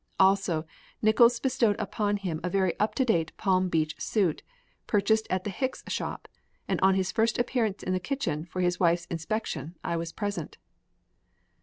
Also Nickols bestowed upon him a very up to date Palm Beach suit, purchased at the Hicks shop, and on his first appearance in the kitchen for his wife's inspection I was present.